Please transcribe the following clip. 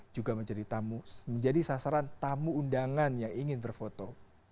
juga menjadi sasaran tamu undangan yang ingin berfoto